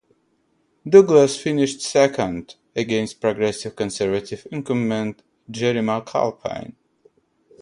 Douglas finished second against Progressive Conservative incumbent Gerry McAlpine.